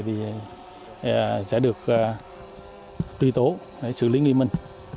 thì sẽ được truy tố xử lý nghi mân